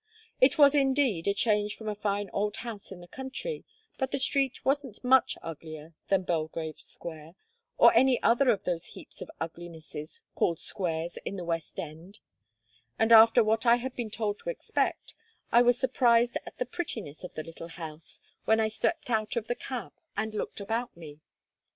It was indeed a change from a fine old house in the country; but the street wasn't much uglier than Belgrave Square, or any other of those heaps of uglinesses, called squares, in the West End; and, after what I had been told to expect, I was surprised at the prettiness of the little house, when I stepped out of the cab and looked about me.